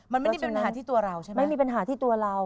มันไม่ได้มีปัญหาที่ตัวเราใช่ไหมไม่มีปัญหาที่ตัวเรา